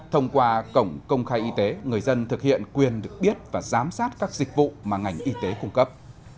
thông qua cổng công khai y tế người dân thực hiện quyền được biết và giám sát các dịch vụ mà ngành y tế cung cấp